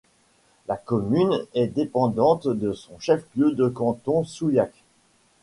La commune est dépendante de son chef-lieu de canton, Souillac.